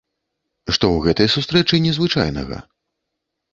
Што ў гэтай сустрэчы незвычайнага?